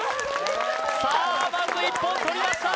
さあまず１本取りました